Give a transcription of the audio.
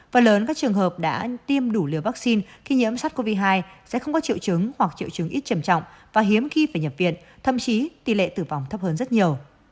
phần lớn các trường hợp đã tiêm đủ liều vaccine khi nhiễm sars cov hai sẽ không có triệu chứng hoặc triệu chứng ít trầm trọng và hiếm khi phải nhập viện thậm chí tỷ lệ tử vong thấp hơn rất nhiều